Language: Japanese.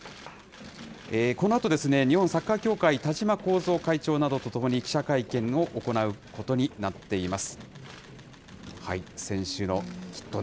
このあと、日本サッカー協会、田嶋幸三会長と共に記者会見を行うことになっています。